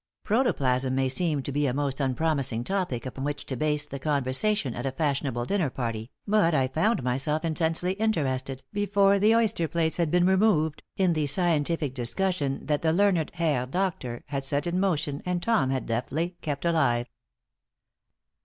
Protoplasm may seem to be a most unpromising topic upon which to base the conversation at a fashionable dinner party, but I found myself intensely interested, before the oyster plates had been removed, in the scientific discussion that the learned Herr Doctor had set in motion and Tom had deftly kept alive.